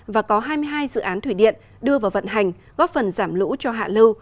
và có hai mươi hai dự án thủy điện đưa vào vận hành góp phần giảm lũ cho hạ lưu